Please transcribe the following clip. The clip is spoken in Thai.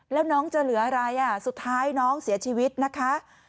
แล้วน้องจะเหลืออะไรสุดท้ายน้องเสียชีวิตนะคะ